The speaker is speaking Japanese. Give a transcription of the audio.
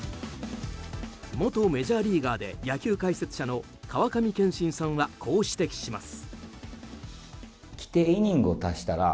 元メジャーリーガーで野球解説者の川上憲伸さんはこう指摘します。